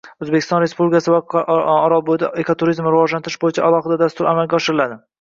Qoraqalpog‘iston Respublikasi va Orolbo‘yida ekoturizmni rivojlantirish bo‘yicha alohida dastur amalga oshiriladi.